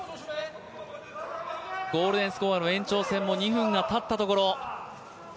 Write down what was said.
ゴールデンスコアの延長戦も２分がたったところ。